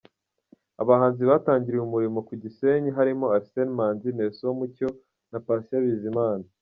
Abahanzi batangiriye umurimo ku Gisenyi Harimo Arsene Manzi, Nelson Mucyo, na Patient Bizimana.